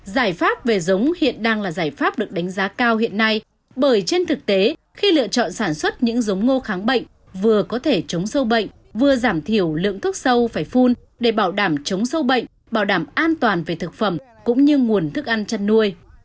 giải pháp về giống hiện đang là giải pháp được đánh giá cao hiện nay bởi trên thực tế khi lựa chọn sản xuất những giống ngô kháng bệnh vừa có thể chống sâu bệnh vừa giảm thiểu lượng thuốc sâu phải phun để bảo đảm chống sâu bệnh bảo đảm an toàn về thực phẩm cũng như nguồn thức ăn chăn nuôi